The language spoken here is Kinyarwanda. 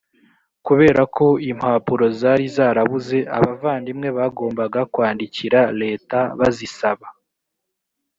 kubera ko impapuro zari zarabuze abavandimwe bagombaga kwandikira leta bazisaba